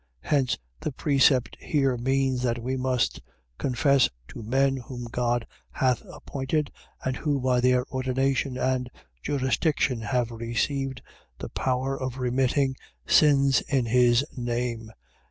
Hence the precept here means, that we must confess to men whom God hath appointed, and who, by their ordination and jurisdiction, have received the power of remitting sins in his name.